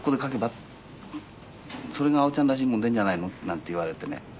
「それが青ちゃんらしいもん出るんじゃないの」なんて言われてね。